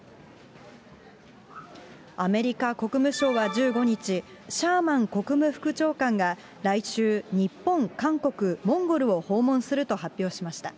アメリカ国務省は１５日、シャーマン国務副長官が来週、日本、韓国、モンゴルを訪問すると発表しました。